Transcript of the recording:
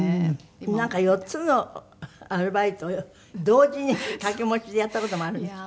なんか４つのアルバイトを同時に掛け持ちでやった事もあるんですって？